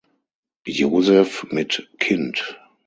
Josef mit Kind.